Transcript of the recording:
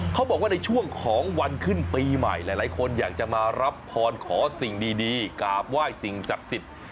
เขาบอกว่าในช่วงของวันขึ้นปีใหม่หลายคนอยากจะมารับพรขอสิ่งดีกราบไหว้สิ่งศักดิ์สิทธิ์